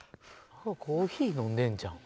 コーヒー飲んでんじゃん。